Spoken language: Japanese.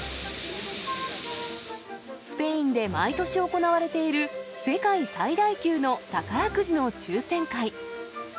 スペインで毎年行われている世界最大級の宝くじの抽せん会。